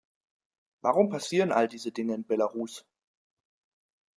Warum passieren all diese Dinge in Belarus?